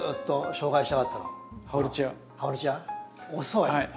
遅い！